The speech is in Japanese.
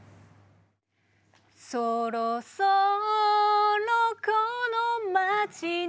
「そろそろこの街に」